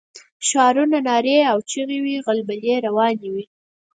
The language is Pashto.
شعارونه، نارې او چيغې وې او غلبلې روانې وې.